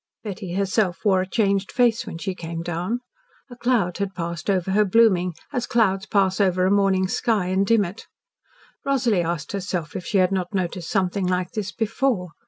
Betty herself wore a changed face when she came down. A cloud had passed over her blooming, as clouds pass over a morning sky and dim it. Rosalie asked herself if she had not noticed something like this before.